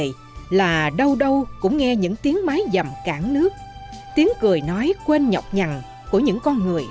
khi có mùa nước nổi đổ về là đâu đâu cũng nghe những tiếng mái dầm cản nước tiếng cười nói quên nhọc nhằn của những con người đi hái